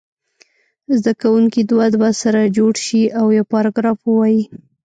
زده کوونکي دوه دوه سره جوړ شي او یو پاراګراف ووایي.